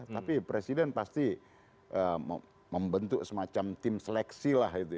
tapi presiden pasti membentuk semacam tim seleksi